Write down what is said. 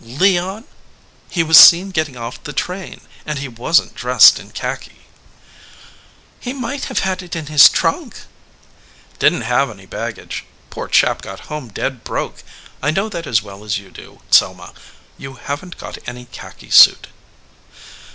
"Leon? He was seen getting off the train, and he wasn t dressed in khaki." "He might have had it in his trunk." "Didn t have any baggage. Poor chap got home dead broke. I know that as well as you do, Selma. You haven t got any khaki suit."